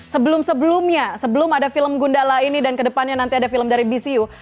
sebelum sebelumnya sebelum ada film gundala ini dan kedepannya nanti ada film dari bcu